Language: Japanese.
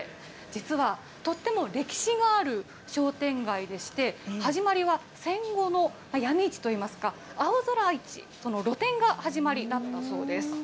実はとっても歴史がある商店街でして、始まりは戦後の闇市といいますか、青空市、露店が始まりだったそうです。